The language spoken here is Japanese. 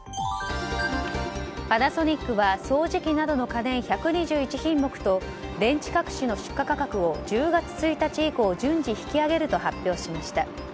パナソニックは掃除機などの家電１２１品目と電池各種の出荷価格を１０月１日以降順次引き上げると発表しました。